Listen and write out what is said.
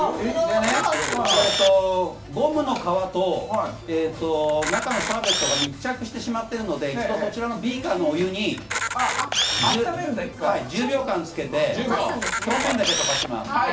ゴムの皮と中のシャーベットが密着してしまっているので一度ビーカーのお湯に１０秒間つけて、表面だけ溶かします。